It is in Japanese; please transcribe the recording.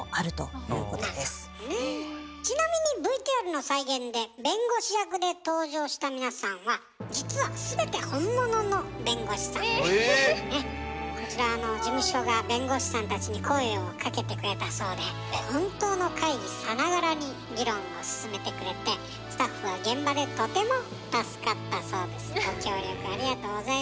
ちなみにＶＴＲの再現で弁護士役で登場した皆さんは実はこちらは事務所が弁護士さんたちに声をかけてくれたそうで本当の会議さながらに議論を進めてくれてスタッフは現場でとても助かったそうです。